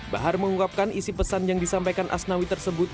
bahar menguapkan isi pesan yang disampaikan asnawi tersebut